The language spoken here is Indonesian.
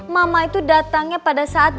mama itu datangnya pada saat